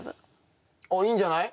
おっいいんじゃない？